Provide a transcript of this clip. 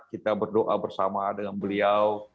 kita berdoa bersama dengan beliau